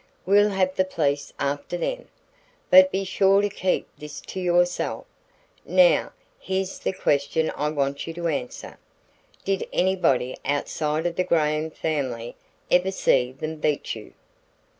We'll have the police after them. But be sure to keep this to yourself. Now, here's the question I want you to answer: Did anybody outside of the Graham family ever see them beat you?"